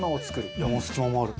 いやもう隙間もある。